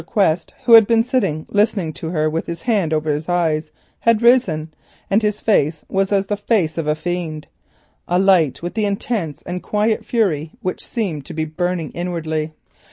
Quest, who had been sitting listening to her with his hand over his eyes, had risen, and his face was as the face of a fiend, alight with an intense and quiet fury which seemed to be burning inwardly.